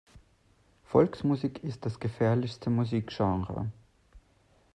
Volksmusik ist das gefährlichste Musikgenre.